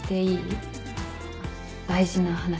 大事な話。